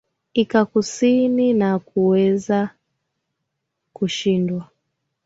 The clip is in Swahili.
ika kusini na kuwezwa kushindwa